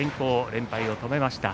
連敗を止めました。